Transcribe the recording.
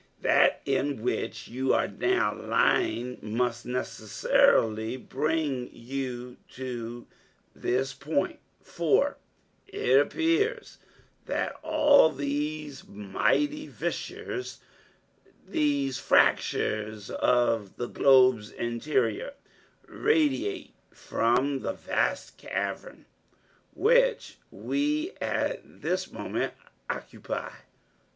That in which you are now lying must necessarily bring you to this point, for it appears that all these mighty fissures, these fractures of the globe's interior, radiate from the vast cavern which we at this moment occupy.